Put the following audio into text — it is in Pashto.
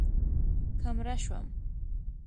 که مړه شوم